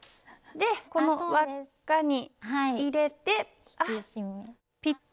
でこの輪っかに入れてピッと。